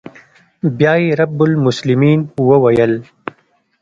بيا يې رب المسلمين وويل.